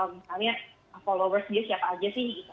misalnya followers dia siapa aja sih gitu